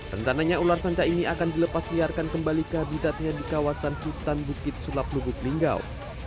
rencananya ular sanca ini akan dilepas liarkan kembali ke habitatnya di kawasan hutan bukit sulap lubuk linggau